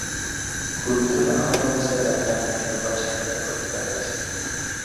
গুরুতর আহত অবস্থায় তাঁকে ঢাকা মেডিকেল কলেজ হাসপাতালে ভর্তি করা হয়েছে।